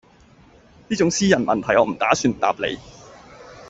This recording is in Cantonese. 呢種私人問題我唔打算答你